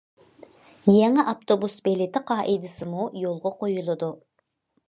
يېڭى ئاپتوبۇس بېلىتى قائىدىسىمۇ يولغا قويۇلىدۇ.